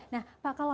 nah pak kalwa